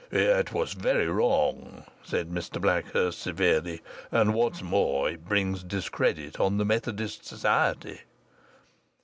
"It was very wrong," said Mr Blackhurst, severely, "and what's more, it brings discredit on the Methodist society."